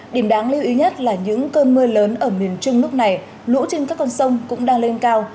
điểm đáng lưu ý nhất là những cơn mưa lớn ở miền trung lúc này lũ trên các con sông cũng đang lên cao